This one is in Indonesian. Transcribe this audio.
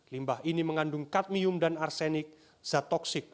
limbah ini mengandung kadmium dan arsenik zat toksik